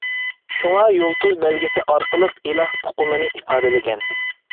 شۇڭا يۇلتۇز بەلگىسى ئارقىلىق ئىلاھ ئۇقۇمىنى ئىپادىلىگەن.